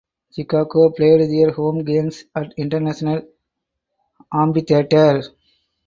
Chicago played their home games at International Amphitheatre.